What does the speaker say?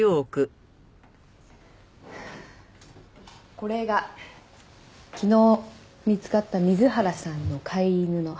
これが昨日見つかった水原さんの飼い犬の歯型です。